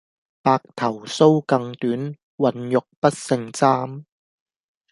白頭搔更短，渾欲不勝簪